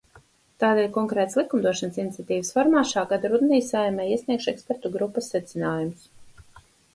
Tādēļ konkrētas likumdošanas iniciatīvas formā šā gada rudenī Saeimai iesniegšu ekspertu grupas secinājumus.